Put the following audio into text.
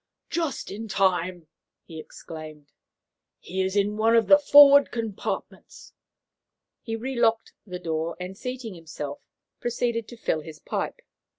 "Just in time!" he exclaimed. "He is in one of the forward compartments." He relocked the door, and, seating himself, proceeded to fill his pipe.